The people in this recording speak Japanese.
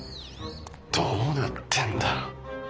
どうなってんだ？